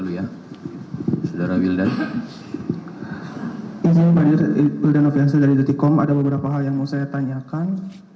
isu pak wildan afiansil dari dutikom ada beberapa hal yang mau saya tanyakan